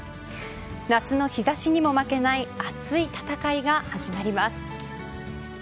夏の日差しにも負けない熱い戦いが始まります。